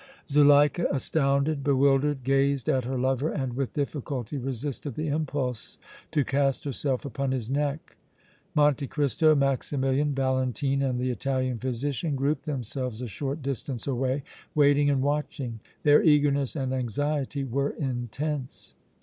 Zuleika, astounded, bewildered, gazed at her lover and with difficulty resisted the impulse to cast herself upon his neck. Monte Cristo, Maximilian, Valentine and the Italian physician grouped themselves a short distance away, waiting and watching. Their eagerness and anxiety were intense.